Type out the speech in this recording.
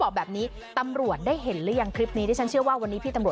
อ่านี่ละค่ะหลายคนถามสงสัยว่า